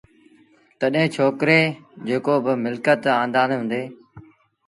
تڏهيݩ ڇوڪري جيڪو با ملڪت آݩدآݩدي هُݩدي